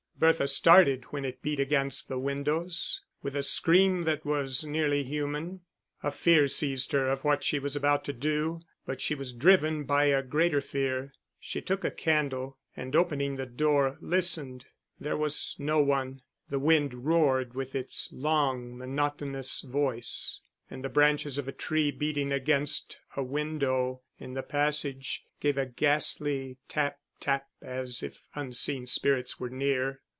Bertha started when it beat against the windows with a scream that was nearly human. A fear seized her of what she was about to do, but she was driven by a greater fear. She took a candle, and opening the door, listened. There was no one; the wind roared with its long monotonous voice, and the branches of a tree beating against a window in the passage gave a ghastly tap tap, as if unseen spirits were near.